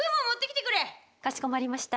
かしこまりました。